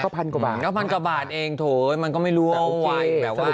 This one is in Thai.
เขาพันกว่าบาทเขาพันกว่าบาทเองโถยมันก็ไม่รู้เอาไว้แบบว่า